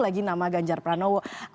lagi nama ganjar pranowo